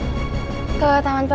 untung dia kelihatan bener deh